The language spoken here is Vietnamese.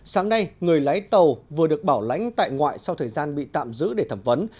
sáng nay người lái tàu vừa được bảo lãnh tại ngoại sau thời gian bị tạm giữ để thẩm vấn